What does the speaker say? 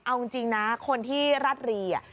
เอาจริงนะคนที่รัดรี